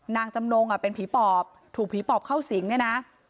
จำนงเป็นผีปอบถูกผีปอบเข้าสิงเนี่ยนะ